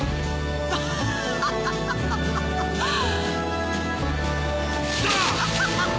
アハハハハ。